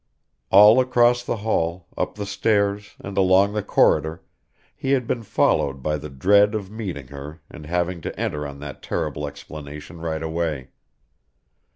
All across the hall, up the stairs, and along the corridor he had been followed by the dread of meeting her and having to enter on that terrible explanation right away.